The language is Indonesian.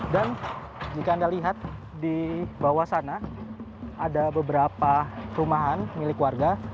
dan jika anda lihat di bawah sana ada beberapa perumahan milik warga